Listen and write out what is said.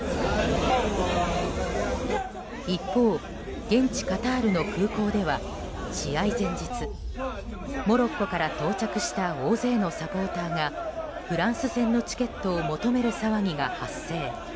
一方、現地カタールの空港では試合前日モロッコから到着した大勢のサポーターがフランス戦のチケットを求める騒ぎが発生。